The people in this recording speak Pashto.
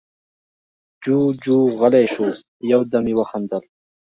جُوجُو غلی شو، يو دم يې وخندل: